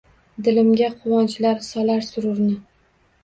Dilimga quvonchlar solar sururni…